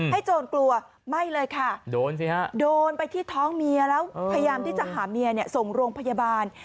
โจรกลัวไม่เลยค่ะโดนสิฮะโดนไปที่ท้องเมียแล้วพยายามที่จะหาเมียเนี่ยส่งโรงพยาบาล